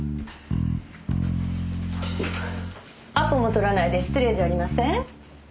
アポも取らないで失礼じゃありません？